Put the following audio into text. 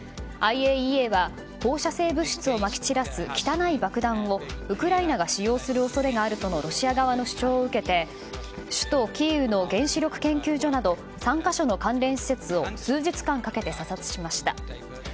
ＩＡＥＡは放射性物質をまき散らす汚い爆弾を、ウクライナが使用する恐れがあるとのロシア側の主張を受けて首都キーウの原子力研究所など３か所の関連施設を数日間かけて査察しました。